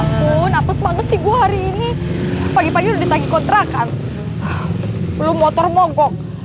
kalau gitu saya minta tanggapan ya pak